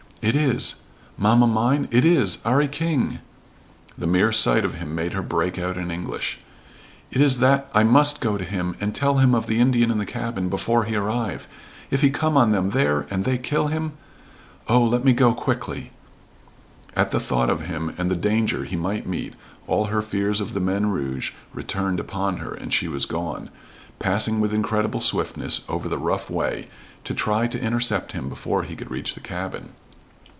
It is mamma mine it is 'Arry King!" The mere sight of him made her break out in English. "It is that I must go to him and tell him of the Indian in the cabin before he arrive. If he come on them there, and they kill him! Oh, let me go quickly." At the thought of him, and the danger he might meet, all her fears of the men "rouge" returned upon her, and she was gone, passing with incredible swiftness over the rough way, to try to intercept him before he could reach the cabin.